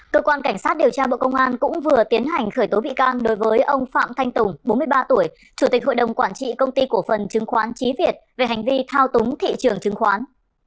cơ quan cảnh sát điều tra bộ công an cũng vừa tiến hành khởi tố bị can đối với ông phạm thanh tùng bốn mươi ba tuổi chủ tịch hội đồng quản trị công ty cổ phần chứng khoán trí việt về hành vi thao túng thị trường chứng khoán